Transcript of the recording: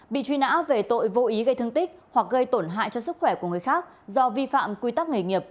bị truy nã về tội vô ý gây thương tích hoặc gây tổn hại cho sức khỏe của người khác do vi phạm quy tắc nghề nghiệp